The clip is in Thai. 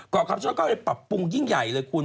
ก่อกราบช่วงก็ปรับปรุงยิ่งใหญ่เลยคุณ